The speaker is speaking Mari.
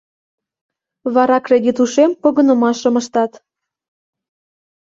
Вара кредит ушем погынымашым ыштат.